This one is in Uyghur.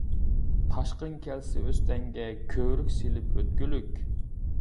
تاشقىن كەلسە ئۆستەڭگە، كۆۋرۈك سېلىپ ئۆتكۈلۈك.